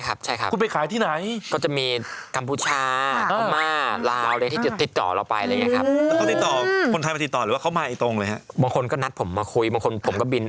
นักประเทศก็มีเหรอครับเขาไปขายที่ไหนเหรอครับตรงครั้งแป้มใช่ครับ